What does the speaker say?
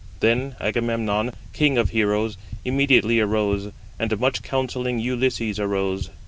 Then Agamemnon, king of heroes, immediately arose, and much counselling Ulysses arose.